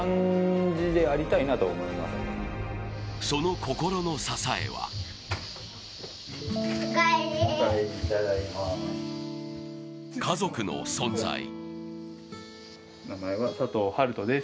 その心の支えは家族の存在。